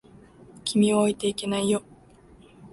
君を置いていけないよ。